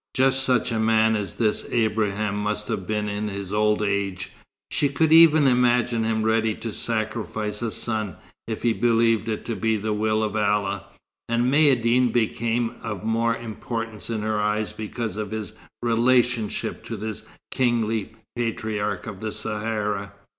Just such a man as this Abraham must have been in his old age. She could even imagine him ready to sacrifice a son, if he believed it to be the will of Allah; and Maïeddine became of more importance in her eyes because of his relationship to this kingly patriarch of the Sahara.